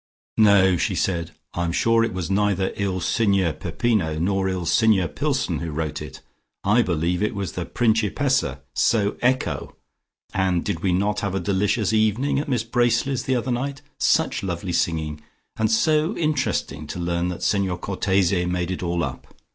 "No" she said. "I'm sure it was neither Il Signer Peppino nor Il Signer Pillson who wrote it. I believe it was the Principessa. So, ecco! And did we not have a delicious evening at Miss Bracely's the other night? Such lovely singing, and so interesting to learn that Signor Cortese made it all up.